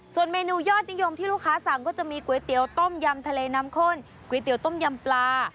ส่วนเมนูยอดนิยมที่ลูกค้าสั่งก็จะมีก๋วยเตี๋ยวต้มยำทะเลน้ำข้นก๋วยเตี๋ยต้มยำปลา